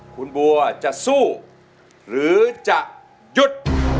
คุณบัวจะสู้หรือจะหยุด